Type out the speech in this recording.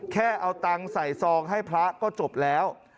แค่เอาตังค์ใส่ซองให้พระก็จบแล้ว